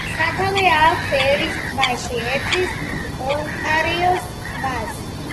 სათავე აქვს ერის ტბაში, ერთვის ონტარიოს ტბას.